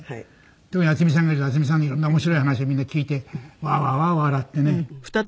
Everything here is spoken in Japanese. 特に渥美さんがいると渥美さんのいろんな面白い話をみんな聞いてワーワーワーワー笑ってね。